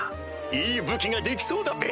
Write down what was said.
いい武器が出来そうだべ。